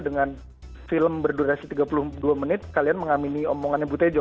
dengan film berdurasi tiga puluh dua menit kalian mengamini omongannya bu tejo